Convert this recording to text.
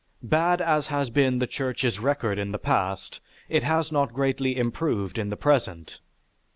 Bad as has been the church's record in the past, it is not greatly improved in the present....